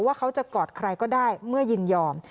ว่าเขาจะกอดใครก็ได้เมื่อยินยอม